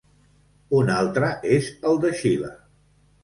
Un altre és el de Xile.